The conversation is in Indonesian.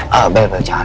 bel bel jangan bel jangan